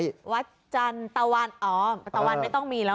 วัดจันตะวันอ๋อตะวันไม่ต้องมีแล้ว